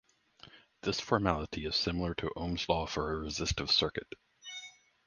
This formality is similar to Ohm's Law for a resistive circuit.